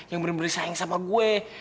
yang bener bener sayang sama gua